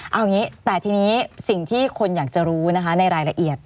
เอาอย่างนี้แต่ทีนี้สิ่งที่คนอยากจะรู้นะคะในรายละเอียด